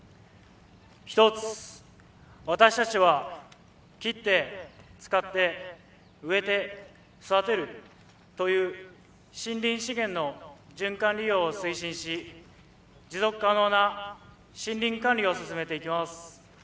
一つ私たちは「切って使って植えて育てる」という森林資源の循環利用を推進し持続可能な森林管理を進めていきます。